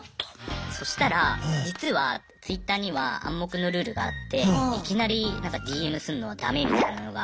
そしたら実はＴｗｉｔｔｅｒには暗黙のルールがあっていきなり何かＤＭすんのはダメみたいなのが。